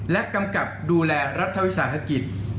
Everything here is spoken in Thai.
และกำกับดูแลรัฐวิทยาศาสตร์ศักดิจ